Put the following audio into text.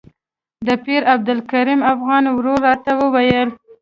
د پیر عبدالکریم افغاني ورور راته وویل.